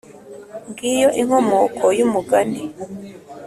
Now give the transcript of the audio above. ngiyo inkomoko y'umugani